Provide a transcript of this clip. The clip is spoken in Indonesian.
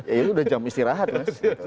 itu sudah jam istirahat mas